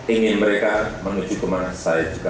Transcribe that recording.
ingin mereka menuju kemana saya juga